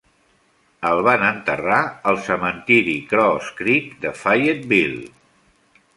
El van enterrar al cementiri Cross Creek de Fayetteville.